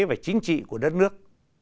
và chính trị của đất nước